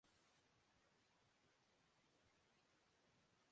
پھر آنے کی کوشش کروں گا۔